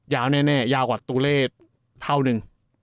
ยาวแน่ยาวกว่าตัวเลขเท่านึง